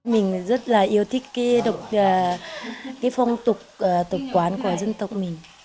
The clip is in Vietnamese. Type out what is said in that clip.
mình rất là yêu thích cái phong tục tập quán của dân tộc mình